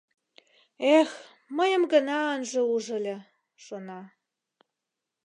«Эх, мыйым гына ынже уж ыле», — шона.